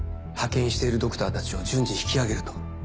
派遣しているドクターたちを順次引き上げると。